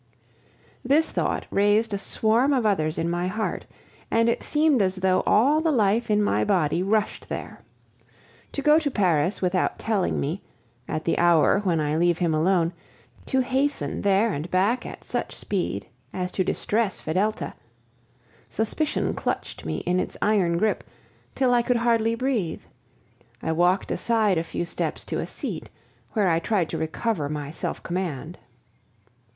This thought raised a swarm of others in my heart, and it seemed as though all the life in my body rushed there. To go to Paris without telling me, at the hour when I leave him alone, to hasten there and back at such speed as to distress Fedelta. Suspicion clutched me in its iron grip, till I could hardly breathe. I walked aside a few steps to a seat, where I tried to recover my self command.